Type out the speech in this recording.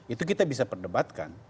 itu kita bisa perdebatkan